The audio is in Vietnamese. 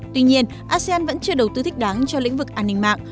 tuy nhiên asean vẫn chưa đầu tư thích đáng cho lĩnh vực an ninh mạng